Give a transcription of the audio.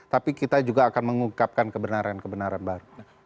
tapi kita juga akan mengungkapkan kebenaran kebenaran baru